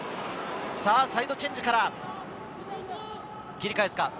サイドチェンジから切り返すか？